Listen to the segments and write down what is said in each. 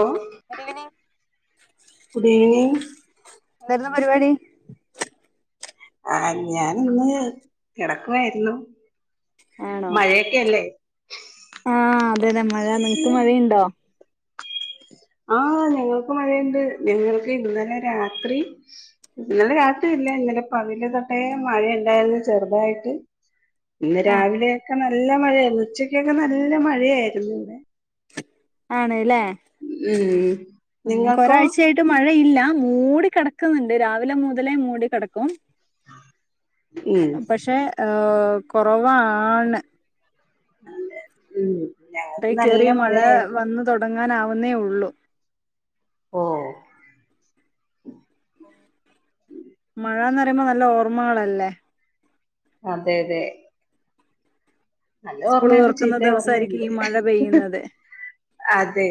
Hello good evening good evening എന്തായിരുന്നു പരിപാടി ആഹ് ഞാൻ ഇന്ന് കിടക്കുആയിരുന്നു ആണോ മഴയ ക്കല്ലേ ആഹ് അതെഅതെ മഴ നിങ്ങക്ക് മഴയുണ്ടോ ആഹാ ഞങ്ങൾക്ക് മഴയുണ്ട് ഞങ്ങൾക്ക് ഇന്നലെ രാത്രി ഇന്നെലെ രാത്രില്ല ഇന്നലെ പകല് തൊട്ടേ മഴ ഉണ്ടായിരുന്നു ചെറുതായിട്ട് ഇന്ന് ആഹ് രാവിലെയൊക്കെ നല്ല മഴയായിരുന്നു ഉച്ചക്കൊക്കെ നല്ല മഴയായിരുന്നു ഇവിടെ ആണല്ലേ ഉം നിങ്ങൾക്കോ ഇന്ന്‌ മഴയില്ല മൂടി കിടക്കുന്നുണ്ട് രാവിലെ മുതലേ മൂടി കിടക്കും ഉം പക്ഷെ ഹ്ഹ്ഹ് കൊറവാണ് അതെ ഉം അതേ ഞങ്ങൾക്ക് നല്ല കേറിയ മഴ മഴയായിരുന്നു വന്നു തുടങ്ങാനാവുന്നേ ഉള്ളൂ ഓ മഴാന്ന് പറയുമ്പോ നല്ല ഓർമ്മകളല്ലേ അതെ അതെ നല്ല സ്കൂള് ഓർമ്മയുണ്ട് തുറക്കുന്ന ചീത്ത ദിവസായിരിക്കും ഓർമ്മയുണ്ട് ഈ മഴ അഹ്ഹ് പെയ്യുന്നത് അതെ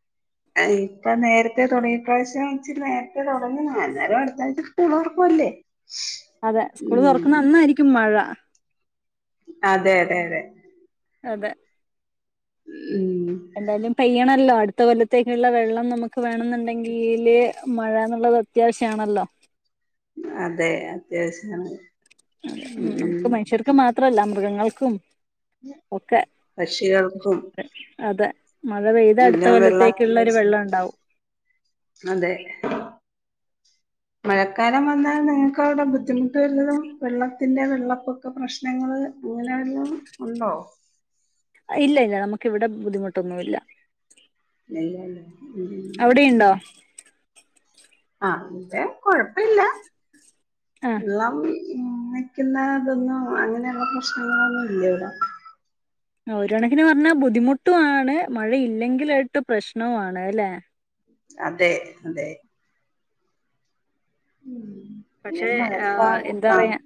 [inaudible] ഇപ്പ നേരത്തെ തുടങ്ങി ഇ പ്രാവശ്യം ഇച്ചിരിനേരത്തെ തുടങ്ങി അന്നേരം അടുത്ത ആഴ്ച്ച സ്കൂളുറക്കല്ലേ. അതെ സ്കൂള് തുറക്കുന്ന അന്നായിരിക്കും മഴ. അതെ അതെ അതെ അതെ ഉം എന്തായാലും പെയ്യണല്ലോ അടുത്ത കൊല്ലത്തേക്കുള്ള വെള്ളം നമുക്ക് വേണെന്നുണ്ടെങ്കില് മഴന്നുള്ളത്. അത്യാവശ്യാണല്ലോ അതെ അത്യാവശ്യണ്. അതെ നമുക്ക് മനുഷ്യർക്ക് മാത്രല്ല മൃഗങ്ങൾക്കും. ഒക്കെ പക്ഷികൾക്കും അതെ മഴ പെയ്ത അടുത്ത എല്ലാം വെള്ളം കൊല്ലത്തേക്കുള്ള ഒരു അത്യാവശ്യം വെള്ളം ഉണ്ടാവും. അതെ മഴക്കാലം വന്നാൽ നിങ്ങൾക്ക് അവിടെ ബുദ്ധിമു ട്ട് വല്ലതും വെള്ളത്തിന്റെ വെള്ളപ്പൊക്ക പ്രശ്നങ്ങൾ അങ്ങനെ വല്ലതും ഉണ്ടോ. അയ് ഇല്ല ഇല്ല നമുക്ക് ഇവിടെ ബുദ്ധിമുട്ടൊന്നു ഇല്ല. നെയ്യാല്ലോ അവിടെണ്ടോ ആഹ് ഇവിടെ കൊഴപ്പല്ല ആഹ് ള്ളം നിക്കുന്ന ഇതൊന്നും അങ്ങനെയുള്ള പ്രശ്നങ്ങളൊന്നും ഇല്ല ഇവിടെ. ആഹ് ഒര്കണക്കിന് പറഞ്ഞാ ബുദ്ധിമുട്ടുണ് മഴയില്ലെങ്കിലായിട്ട് പ്രശ്നവുമാണ് അല്ലെ. അതെ അതെ ഉം പക്ഷെ ആഹ് എന്താ പറയാ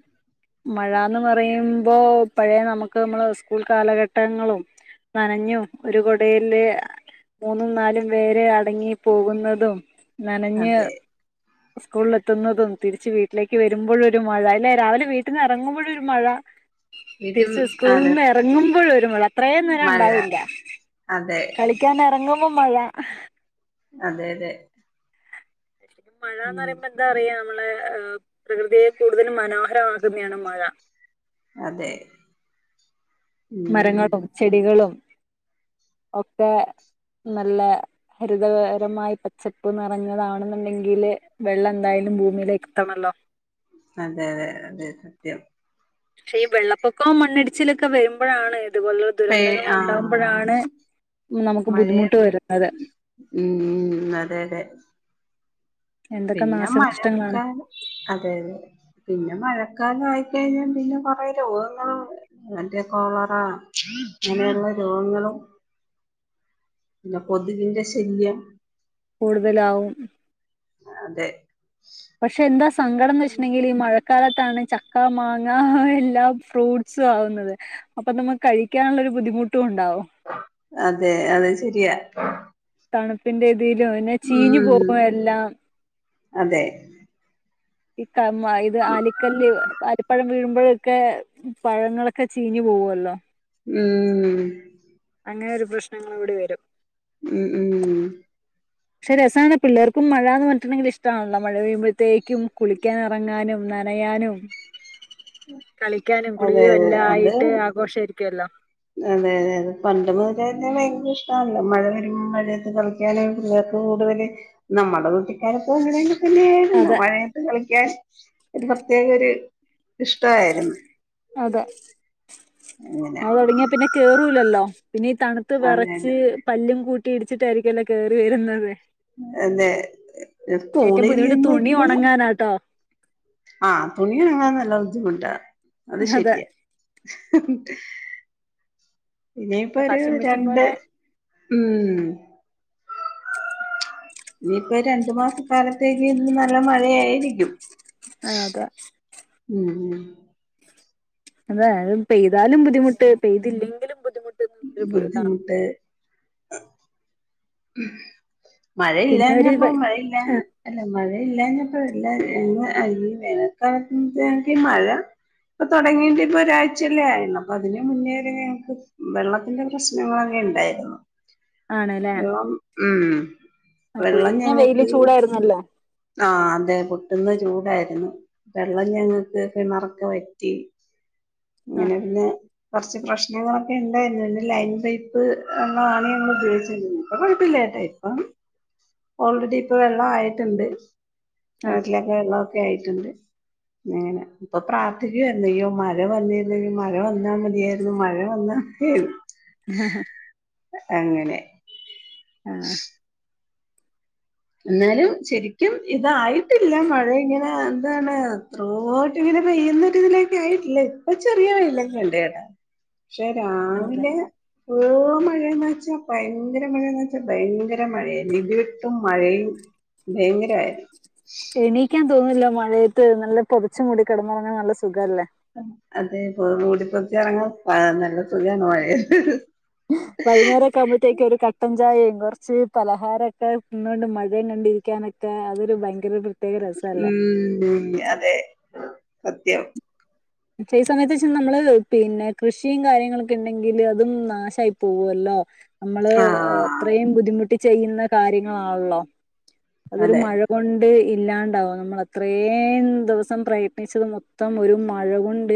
മഴന്ന് പറയുമ്പോ പഴയ നമുക്ക് നമ്മള് സ്കൂൾ കാലഘട്ടങ്ങളും. നനഞ്ഞു ഒരു കുടയില് മൂന്നും നാലും പേര്. അടങ്ങി പോകുന്നതും നനഞ്ഞ് അതെ സ്കൂളിൽ എത്തുന്നതും. തിരിച്ച് വീട്ടിലേക്ക് വരുമ്പോഴ ഒരു മഴ അല്ലേ രാവിലെ വീട്ടിൽ നിന്ന് ഇറങ്ങുമ്പഴും ഒരു മഴ. വീട്ടിൽ തിരിച് അതെ സ്കൂളിന്ന് ഇറങ്ങുമ്പോഴ ഒരു മഴ അത്രേ നേരം മഴ ഉണ്ടാവില്ല അതെ കളി ക്ക്യാൻ ഇറങ്ങുമ്പം മഴ. അതെ അതെ മഴന്ന് ഉം പറയ്പോ എന്താ പറയ നമ്മളെ പ്രകൃതിയെ കൂടുതലും മനോഹരമാക്കുന്നയാണ് മഴ. അതെ ഉം മരങ്ങളും ചെടികളും ഒക്കെ നല്ല ഹരിതകരമായി പച്ചപ്പൂ നിറഞ്ഞതാണെന്നുണ്ടെങ്കില് വെള്ളം എന്തായാലും ഭൂമിയിലേക് എത്തണല്ലോ. അതെ അതെ അതെ സത്യം പക്ഷെ ഈ വെള്ളപ്പൊക്കവും മണ്ണിടിച്ചിലൊക്കെ വരുമ്പോഴാണ് ഇത്പോൽളൊ പേ ആ ദുരന്തങ്ങളുണ്ടാകുമ്പയാണ് നമുക്കുബുദ്ധിമുട്ടു വരുന്നത്. ഉം. ഉം അതെയതെ എന്തൊക്കെ പിന്നെ നാശനഷ്ടങ്ങളാണ് മഴക്കാലം അതെയതെ പിന്നെ മഴക്കാലായിക്കഴിഞ്ഞാ പിന്നെ കൊറെ രോഗങ്ങളും നല്ലകോളറ, ഇങ്ങനെയുള്ള രോഗങ്ങളും. പിന്നെ, കൊതുകിന്റെ ശല്യം കൂടുതലാവും അതെ പക്ഷെയെന്താ സങ്കടന്ന് വച്ചിട്ടുണ്ടെങ്കിലീ മഴക്കാലത്ത് ത്താണ്, ചക്ക, മാങ്ങാ യെല്ലാ ഫ്രൂട്ട്സുമാകുന്നത് അപ്പൊ നമുക്കു കഴിക്കാൻള്ളൊരു ബുദ്ധിമുട്ടുണ്ടാവും അതെ, അതുശരിയാ തണുപ്പിന്റെയിതിലും പിന്നെ ഉം ചീഞ്ഞുപോകുമെല്ലാം അതെ ഇക്ക വായിത് ആലിക്കല്ല് ആലിപ്പഴം വീഴുമ്പയൊക്കെ പഴങ്ങളൊക്കെ ചീഞ്ഞു പോകുവല്ലോ ഉം.. ഉം അങ്ങനെയൊരു പ്രശ്നങ്ങളുംകൂടി വരും. ഉം.. ഉം പക്ഷേ രസാണ്, പിള്ളാർക്കും മഴാന്ന് പറഞ്ഞിട്ടുണ്ടങ്കിലു ഇഷ്ടാണല്ലോ മഴപെയ്യുമ്പത്തേക്കും കുളിക്കാനിറങ്ങാനും. നനയാനും, കളിക്കാനും അതെ കുളിയുമെല്ലാമായിട്ടാഘോഷമായിരിക്കുവല്ലോ അതെയതെഅതെ, പണ്ടുമുതലു തന്നെ ഭയങ്കര ഇഷ്ടമാണല്ലോ മഴ വരുമ്പോം മഴയത്തുകളി പിള്ളേർക്കു കൂടുതലു നമ്മുടെ കുട്ടിക്കാലത്തുമങ്ങനെ തന്നെ പിന്നെയായിരുന്നു അതെ മഴയത്തുകളിക്കാൻ ഒരു പ്രത്യേകയൊരിഷ്ടമായിരുന്നു. അതെ, അങ്ങനെ മഴതുടങ്ങിയാൽപിന്നെ കേറൂലല്ലോ പിന്നെയീതണു അതെ ത്തുവിറച്ച് പല്ലും കൂട്ടിയിടിച്ചിട്ടായിരിക്കുവല്ലോ കേറി വരുന്നത് അതെ അതെ ഏറ്റം സ്കൂളിൽ ബുദ്ധിമുട്ട്തുണിയുണങ്ങാനാട്ടോ ആഹ് തുണിയുണങ്ങാൻ നല്ല ബുദ്ധിമുട്ടാ, അതു അതെ ശരിയ വാഷിംഗ് മെഷീൻ ഇനിപ്പൊഒരുരണ്ട് പോലെ ഉം.. ഇനിയിപ്പൊ രണ്ടുമാസ ക്കാലത്തേക്കുഎന്നും നല്ല മഴയായിരിക്കും. ആഹ്... അതെ ഉം.. ഉം.. അതെയത്പെയ്താലും ബുദ്ധിമുട്ട് പെയ്തില്ലെങ്കിലും ബുദ്ധിമുട്ട്.. ഇതാണ് ബുദ്ധിമുട്ട് പിന്നെ ഒരു മഴയില്ലാഞ്ഞപ്പോ മഴയില്ലാ അല്ല, മഴയില്ലാഞ്ഞപ്പോ ളില്ല. ഈ വേനൽക്കാലത്തേക്കുമഴ ഇപ്പൊതുടങ്ങിയിട്ടിപ്പോ ഒരാഴ്ചയല്ലേയായുള്ളൂ, അപ്പൊ അതിനുമുന്നേ തന്നെ ഞങ്ങക്ക് വെള്ളത്തിന്റെ പ്രശ്നങ്ങളാണേലുണ്ടായിരുന്നു ആണ്ല്ലേ, ആഹ് പൊരിഞ്ഞവെയില് ചൂടായിരുന്നല്ലോ.. ആഹ്, അതെപൊട്ടുന്ന ചൂടായിരുന്നു. വെള്ളംഞങ്ങൾക് കിണറൊക്കെ വറ്റി. ആ ഇങ്ങനെ പിന്നെ.. കുറച്ചുപ്രശ്നങ്ങളൊക്കെയുണ്ടായിരുന്നു. പിന്നെലൈൻ പൈപ് വെള്ളമാണ് ഞങ്ങൾ ഉപയോഗിച്ചിരുന്നത്, ഇപ്പംകുഴപ്പല്ലാട്ടേ ഇപ്പം ഓൾറെഡിയിപ്പൊ വെള്ളമായിട്ടുണ്ട്. ആ കെണറ്റിലൊക്കെ വെള്ളമൊക്കെയായിട്ടുണ്ട്. ഇങ്ങനെ ഇപ്പൊ പ്രാർത്ഥിക്കുവായിരുന്നു. അയ്യോ മഴ വന്നിരുന്നെങ്കിൽ, മഴ വന്നാമതിയായിരുന്നു, മഴ വന്നാ [inaudible] ആഹ്.. ഹാ.. അങ്ങനെ ആഹ് ന്നാലും ശെരിയ്ക്കും ഇതായിട്ടില്ല മഴെങ്ങനെ എന്താണ് തോട്ട്ല്ത് പെയ്ന്നൊക്കെ ഇതിലേക്കെ ട്ടില്ലെ ഇപ്പൊ ചെറ്യ വെലൊക്കെണ്ടെടാ ശെ ആണല്ലേ രാവിലെ ഓ മഴെന്ന്ച്ചാ ഭയെങ്കര മഴെന്ന്ച്ചാ ഭയങ്കര മഴെയിരുന്നു ഇടി വെട്ടും മഴേം ഭയങ്കരമായിര്ന്നു ക്യാൻ തോന്ന്നില്ല മഴേത് നല്ല പൊതച് മൂടി കെടന്നോറങ്ങാ നല്ല സുഖല്ലേ അതെപ്പോ മൂടിപ്പൊതച്ചോറങ്ങ ആഹ് നല്ല സുഖാണ് മഴെത് വൈന്നേരക് കാവുമ്പത്തേക് ഒലു കട്ടം ചായേം കൊറ്ച്ച് പലഹാരക്കെ തിന്നാണ്ട് മഴെമ് കണ്ടിരിക്കാനൊക്ക കാ അതൊരു ഭയങ്കെരെ പ്രത് ഉം അതെ സത്യം ചെയ് സമേത് ച്ച് നമ്മള് പിന്നെ കൃഷിം കാര്യങ്ങളൊക്കെ ണ്ടെങ്കില് അതും നാശായി പോവൊല്ലോ നമ്മള് ആഹ് അത്രേം ബുദ്ധിമുട്ടി ചെയ്യ്ന്ന കാര്യങ്ങളാള്ളോ അതൊരു അതെ മഴ കൊണ്ട് ഇല്ലാണ്ടാവും നമ്മൾ അത്രേം ദിവ്സം പ്രയത്നിച്ചത് മൊത്തം ഒരു മഴ കൊൺ ണ്ട്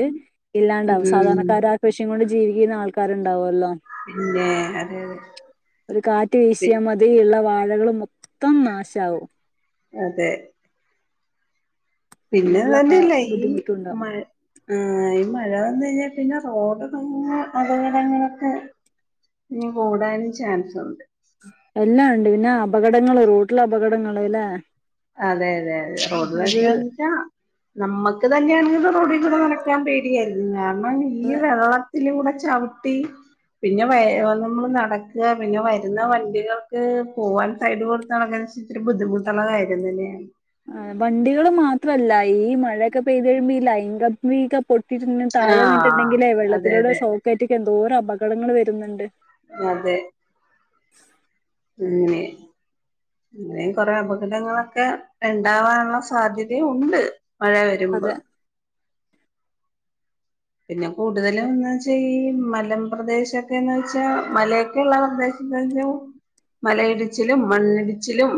ഇല്ലാണ്ടാവും ഉം സാധാരണക്കാരാ കൃഷിം കൊണ്ട് ജീവിക്കുന്ന ആൾക്കാരിണ്ടാവല്ലോ പിന്നേ അത് ഒര് കാറ്റ് വീശ്യാ മതി ഇള്ള വാഴകള് മൊത്തം നാശാവും അതെ പിന്നത് അങ്ങനെയുള്ള ആ തന്നെയല്ല ഈ ബുദ്ധിമുട്ടുണ്ടാവും മ ആഹ് ഈ മഴ വന്ന്കഴിഞ്ഞാ പിന്നെ റോഡ്തും അപകടങ്ങളൊക്കെ ഇഞ്ഞി കൂടാനും ചാൻസൊണ്ട് എല്ലാണ്ട് പിന്നെ അപകടങ്ങള് റോട്ടില് അപകടങ്ങള് ല്ലെ അതെ അതെ അതെ റോഡ്ല് [unintelligible] നമ്മക്ക് തന്നേണ് റോഡിലൂടെ നടക്കാൻ പേ ടി എങ്ങാണം ഈ വെള്ളത്തിലൂടെ ചവിട്ടി പിന്നെ വേഗംനമ്മള് നടക്കാ പിന്നെ വര്ന്ന വണ്ടികൾക്ക് പൂവാൻ സൈഡ് കൊടുത്ത് നടക്കണന്ന് വെച്ച് ഇച്ചിരി ബുദ്ധിമുട്ടൊള്ള കാര്യം തന്നേണ്. ആഹ് വണ്ടികള് മാത്രല്ല ഈ മഴയൊക്കെ പെയ്ത് കഴിയുമ്പ ഈ ലൈങ്കമ്പീക്ക പൊ ട്ടിര്ന്ന് താഴെ ആഹ് വീൺട്ടെണ്ടെങ്കിലേ അതെ വെള്ളത്തിലൂടെ അതെ ഷോക്കേറ്റൊക്ക് എന്തോരം അപകടങ്ങള് വര്ന്നെണ്ട് അതെ ഉം ന്നെ പിന്നേം കൊറെ അപകടങ്ങളൊക്കെ എണ്ടാവാനെള്ള സാധ്യതേം ഉണ്ട് മഴ അതെ വെരുമ്പള് പിന്നെ കൂടുതലും എന്ന്വെച്ചാ ഈ മലപ്രദേശംക്കെന്ന്വെച്ചാ മലയൊക്കെള്ള പ്രദേ [unintelligible] മലയിടിച്ചിലും മണ്ണിടിച്ചിലും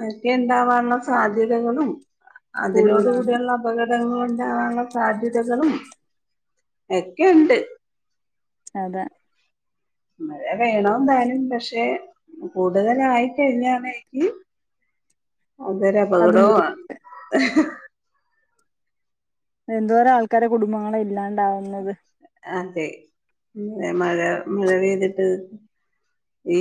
അതൊക്കെ ഇണ്ടാവാനെള്ള സാധ്യതകളും കൂടുതലാണ് അതിനോടുകൂടിയെള്ള അപകടങ്ങളിണ്ടാവാനെള്ള സാധ്യതകളും എക്കെണ്ട് അതാ മഴ വേണോംന്താനും പക്ഷെ കൂടുതലായി കഴിഞ്ഞാണ് എങ്കി അതും ബുദ്ധി അതൊരപകടോവാണ് ഹ്... ഹ് എന്തോരം ആൾക്കാരെ കുടുംബങ്ങളാ ഇല്ലാണ്ടാവുന്നത് അതെ ഇങ്ങനെ മഴ മഴപെയ്തിട്ട് ഈ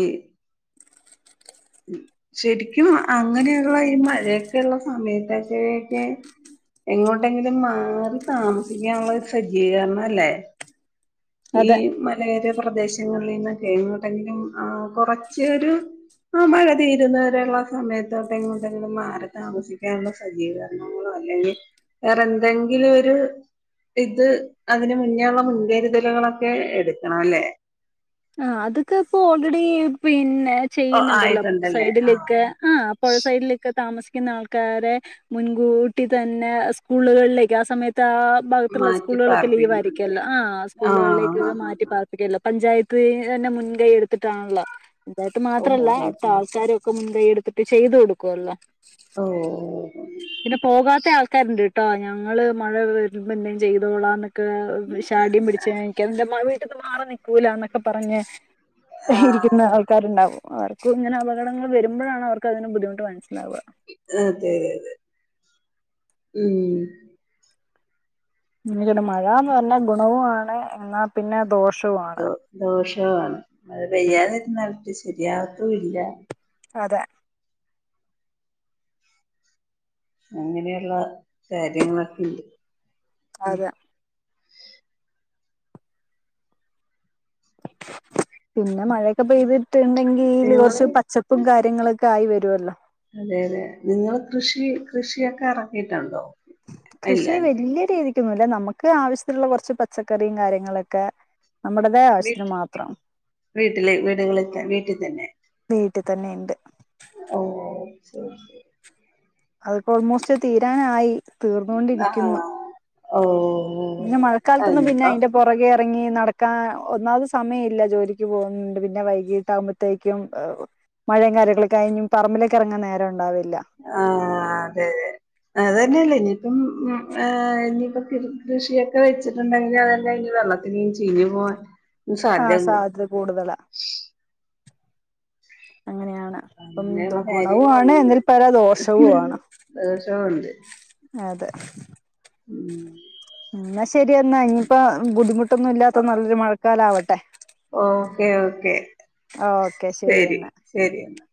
ശെരിക്കും അങ്ങനെയുള്ള ഈ മഴയൊക്കെള്ള സമയത്തെക്കേക്കെ എങ്ങോട്ടെങ്കിലും മാറി താമസിക്കാനെള്ള ഒര് സജ്ജീകരണം അല്ലേ ഈ അതെ മലയോര പ്രദേശങ്ങളീന്നൊക്കേ എങ്ങോട്ടെങ്കിലും ആഹ് കൊറച്ച് ഒരു ആഹ് മഴ തീരുന്ന വരെള്ള സമയത്തോട്ടെങ്ങോട്ടെങ്കിലും മാറി താമസിക്കാനിള്ള സജ്ജീകരണങ്ങളൊ അല്ലെങ്കി വേറെന്തെങ്കിലു ഒരു ഇത് അതിന് മുന്നേള്ള മുൻകരുതലുകളൊക്കെ എടുക്കണവല്ലേ ആഹ് അത്ക്കെ ഇപ്പൊ ഓൾറെഡി പിന്നെ ഓ ചെയ്യുന്നിണ്ടല്ലോ ആയിട്ടുണ്ടല്ലേ ആ സൈഡിലൊക്കെ ആഹ് പൊഴ സൈഡിലൊക്കെ താമസിക്കുന്ന ആൾക്കാരെ മുൻകൂട്ടി തന്നെ സ്കൂളുകളിലേക്ക് ആ സമയത്ത് ആഹ് ഭാഗത്തുള്ള മാറ്റി സ്കൂളുകളൊക്കെ പാർപ്പിക്കുന്നുണ്ട് ലീവായിരിക്കുവെല്ലെ ആഹ് ആ ആ സ്കൂളുകളിലേക്കൊക്കെ ആ മാറ്റി ആ. പാർ പ്പിക്കുവല്ലോ പഞ്ചായത്ത് തന്നെ മുൻകൈ എടുത്തിട്ടാണല്ലോ പഞ്ചായത്ത് ഓ മാത്രല്ല ഓ അവിടുത്താൾക്കാരും മുൻകൈ എടുത്തിട്ട് ചെയ്ത് കൊടുക്കുവല്ലോ ഓഹ് പിന്നെ പോകാത്ത ആൾക്കാരിണ്ടിട്ടോ ഞങ്ങള് മഴ വരുമ്പന്തേലും ചെയ്തോളാന്നൊ ക്കെ ശാഠ്യം പിടിച്ച്നിക്കാ ഇന്റെ മാ എന്റെ വീട്ടിന്ന് മാറി നിക്കൂലാന്നൊക്കെ പറഞ്ഞ് ഇരിക്കുന്ന ആൾക്കാരുണ്ടാവും അവർ ക്കും ഇങ്ങനെ അപകടങ്ങള് വരുമ്പഴാണ് അവർക്ക് അതിന്റെ ബുദ്ധിമുട്ട് മനസ്സിലാവുക അതേ ഉം [unintelligible] മഴാന്ന് പറഞ്ഞ ഗുണവുവാണ് എന്നാ പിന്നെ ദോഷ് ദോ ദോഷവുവാണ് മഴ പെയ്യാതെ ഇരുന്നാലൊട്ട് ശരിയാവത്തു ഇല്ല അതെ അങ്ങനെയൊള്ള കാര്യങ്ങളൊക്കെ ഇണ്ട് അത പിന്നെ മഴയൊക്കെ പെയ്തിട്ടുണ്ടെങ്കില് നിങ്ങള് കുറച്ച് ചെപ്പും കാര്യങ്ങളൊക്കെ ആയി വരുമല്ലോ അതെ അതെ നിങ്ങൾ കൃഷി കൃഷിയൊക്കെ ഇറക്കിയിട്ടുണ്ടോ ഇല്ല കൃഷി ഇല്ല വല്യയ രീതിക്കൊന്നുംല്ല നമുക്ക് ആവശ്യത്തിുള്ള കുറച്ച് പച്ചക്കറിയും കാര്യങ്ങളൊക്കെ നമ്മുടേതായ വീട്ട ആവശ്യത്തിന് മാത്രം വീട്ടില് വീടുകളൊക്കെ വീട്ടിൽ തന്നെ വീട്ടിൽ തന്നെുണ്ട് ഓ ശരി ശരി അതിപ്പോ ഓൾമോസ്റ്റ് തീരാനായി ആഹ തീർന്നുകൊണ്ടിരിക്കുന്നു ഓ പിന്നെ മഴക്കാലത്തൊന്നും പിന്നെ അതിനിപ്പം അയിന്റെ പുറകെ ഇറങ്ങി നടക്കാൻ ഒന്നാത് സമയമല്ല ജോലിക്ക് പോകുന്നുണ്ട് പിന്നെ വൈകീട്ട് ആകുമ്പ ത്തേക്കും മഴയും കാര്യങ്ങളൊക്ക കഴിഞ്ഞും പറമ്പിലേക്കെറങ്ങൻ നേരം ഉണ്ടാവില്ല ആ അതെ അതെ അത്തന്നെയല്ലേ ഇനിയിപ്പം ഇനിയിപ്പ കൃഷിയൊക്കെ വെച്ചിട്ടുണ്ടെങ്കിൽ അതന്നെ ഇനി വെള്ള നും ചീഞ്ഞ്പോവാൻ ആ സാധ്യ കുടും സാധ്യത കൂടുതലാ അങ്ങനെയാണ് അപ്പം അങ്ങനെയുള്ള ഗുണവു വാണ് കാര്യങ്ങളുണ്ട് എന്നൽ പരാ ദോഷവു ആണ് ദോഷവുണ്ട് അതെ ഉം എന്നാ ശരി എന്നാ ഇനിയിപ്പ ബുദ്ധിമുട്ട് ട്ടൊന്നുല്ലാത്ത നല്ലൊരു മഴക്കാല ആവട്ടെ ഓക്കേ ഓക്കെ ശരി എന്നാ ശരി എന്നാൽ